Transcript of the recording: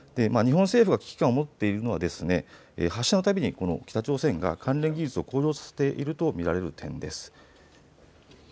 日本政府が危機感を持っているのは発射のたびに北朝鮮が関連技術を向上していると見られるということです。